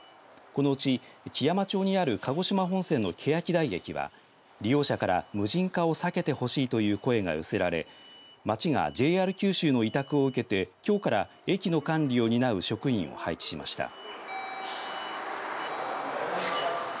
このうち基山町にある鹿児島本線のけやき台駅は利用者から無人化を避けてほしいという声が寄せられ町がＪＲ九州の委託を受けてきょうから駅の管理を担う職員を配置しました。